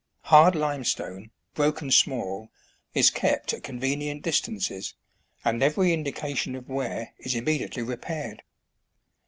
Hard limestone, broken small, is kept at convenient distances, and every indi cation of wear is immediately repaired.